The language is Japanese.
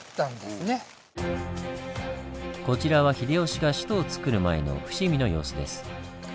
こちらは秀吉が首都をつくる前の伏見の様子です。